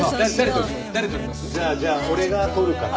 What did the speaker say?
じゃあじゃあ俺が撮るから。